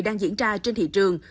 đang diễn ra trên thị trường